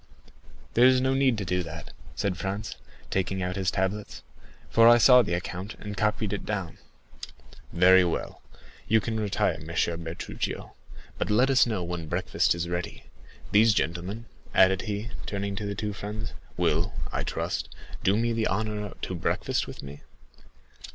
"There is no need to do that," said Franz, taking out his tablets; "for I saw the account, and copied it down." "Very well, you can retire, M. Bertuccio; I need you no longer. Let us know when breakfast is ready. These gentlemen," added he, turning to the two friends, "will, I trust, do me the honor to breakfast with me?"